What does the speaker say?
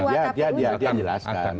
ya dia jelaskan